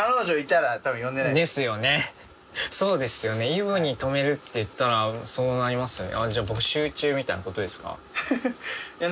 イブに泊めるっていったらそうなりますよね。